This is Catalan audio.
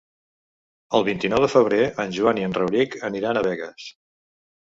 El vint-i-nou de febrer en Joan i en Rauric aniran a Begues.